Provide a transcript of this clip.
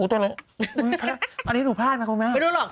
อุ้ยแต่อะไรอันนี้หนูพลาดมากมายไม่รู้